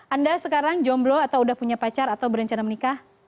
anda sekarang jomblo atau sudah punya pacar atau berencana menikah